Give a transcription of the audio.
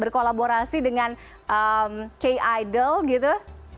berkolaborasi dengan k idol gitu